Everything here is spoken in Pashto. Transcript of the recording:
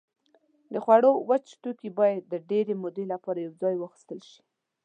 د خوړو وچ توکي باید د ډېرې مودې لپاره یوځای واخیستل شي.